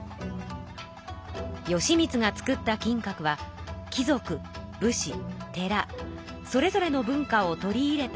義満が作った金閣は貴族武士寺それぞれの文化を取り入れた建物でした。